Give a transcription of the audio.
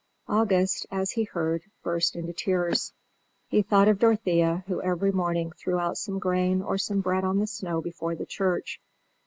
August, as he heard, burst into tears. He thought of Dorothea, who every morning threw out some grain or some bread on the snow before the church.